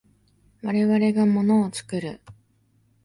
我々が物を作る。